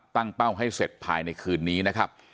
เป้าให้เสร็จภายในคืนนี้นะครับ